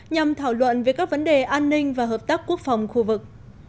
nhằm thảo luận về các vấn đề an ninh và hợp tác quốc phòng khu vực